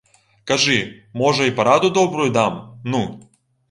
Кажы, можа, і параду добрую дам, ну?